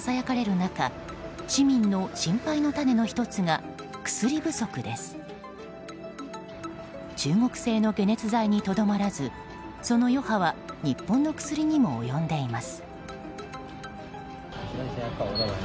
中国製の解熱剤にとどまらずその余波は日本の薬にも及んでいます。